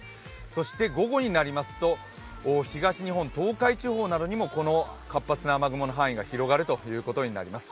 そして午後になりますと、東日本、東海地方などにもこの活発な雨雲の範囲が広がるということになります。